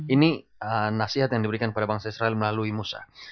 ini nasihat yang diberikan kepada bangsa israel melalui musa